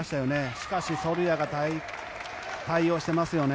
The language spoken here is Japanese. しかし、ソルヤが対応していますよね。